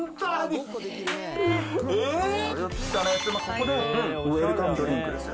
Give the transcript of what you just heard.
ここで、ウエルカムドリンクですよ。